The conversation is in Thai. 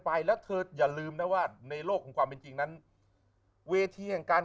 ไปแล้วเธออย่าลืมนะว่าในโลกของความเป็นจริงนั้นเวทีแห่งการ